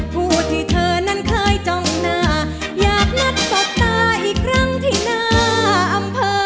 ผู้ที่เธอนั้นเคยจ้องหน้าอยากนัดสบตาอีกครั้งที่หน้าอำเภอ